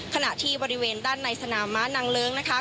ขณะที่บริเวณด้านในสนามม้านางเลิ้งนะคะ